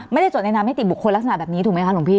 จดในนามนิติบุคคลลักษณะแบบนี้ถูกไหมคะหลวงพี่